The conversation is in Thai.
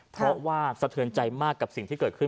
เพราะว่าสะเทือนใจมากกับสิ่งที่เกิดขึ้น